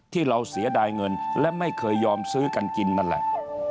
ที่เราเสียดายเงินและไม่เคยยอมซื้อกันกินนั่นแหละ